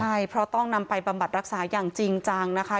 ใช่เพราะต้องนำไปบำบัดรักษาอย่างจริงจังนะคะ